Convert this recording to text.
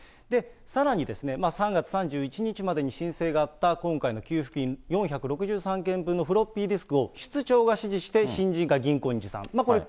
さらに３月３１日までに申請があった今回の給付金４６３件分のフロッピーディスクを室長が指示して新人が銀行に持参。